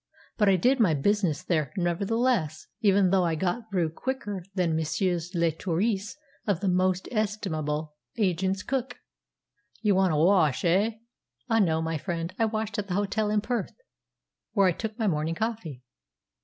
But I did my business there, nevertheless, even though I got through quicker than messieurs les touristes of the most estimable Agence Cook." "You want a wash, eh?" "Ah, no, my friend. I washed at the hotel in Perth, where I took my morning coffee.